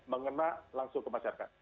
mengenai langsung ke masyarakat